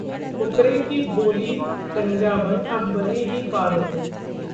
फुकरे की भोली पंजाबन अब बनेगी पारो